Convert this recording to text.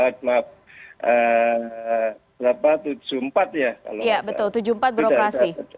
betul seribu sembilan ratus tujuh puluh empat beroperasi